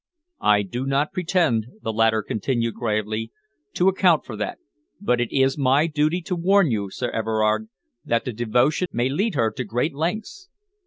"I do not pretend," the latter continued gravely, "to account for that, but it is my duty to warn you, Sir Everard, that that devotion may lead her to great lengths.